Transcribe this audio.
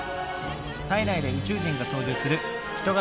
体内で宇宙人が操縦する人型